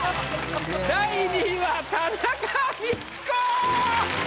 第２位は田中道子！